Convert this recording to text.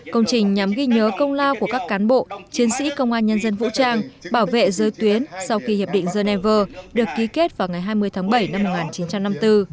công trình nhằm ghi nhớ công lao của các cán bộ chiến sĩ công an nhân dân vũ trang bảo vệ giới tuyến sau khi hiệp định geneva được ký kết vào ngày hai mươi tháng bảy năm một nghìn chín trăm năm mươi bốn